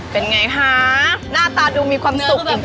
เป็นไงคะหน้าตาดูมีความสุขจริง